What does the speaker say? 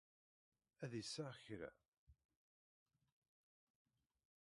Ad d-iseɣ kra.